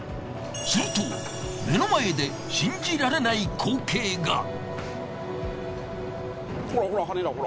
すると目の前で信じられない光景が！